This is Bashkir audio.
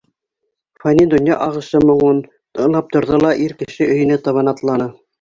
Фани донъя ағышы моңон тыңлап торҙо ла ир кеше өйөнә табан атланы.